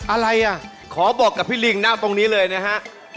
อะไรอ่ะขอบอกกับพี่ลิงนะตรงนี้เลยนะฮะ